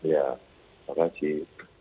ya terima kasih